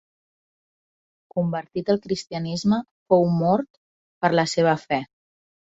Convertit al cristianisme, fou mort per la seva fe.